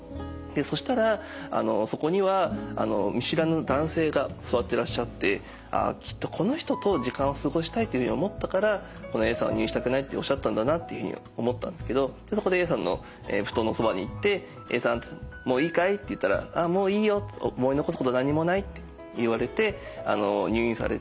そしたらそこには見知らぬ男性が座ってらっしゃって「ああきっとこの人と時間を過ごしたいっていうふうに思ったからこのＡさんは入院したくないっておっしゃったんだな」っていうふうに思ったんですけどそこでＡさんの布団のそばに行って「Ａさんもういいかい？」って言ったら「もういいよ。思い残すことは何もない」って言われて入院されて。